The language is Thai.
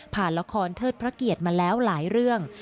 ละครเทิดพระเกียรติมาแล้วหลายเรื่อง